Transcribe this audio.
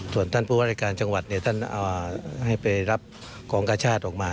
ส่วนท่านผู้ว่ารายการจังหวัดท่านให้ไปรับของกาชาติออกมา